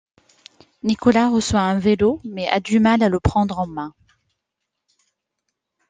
Nicolas reçoit un vélo, mais a du mal à le prendre en main.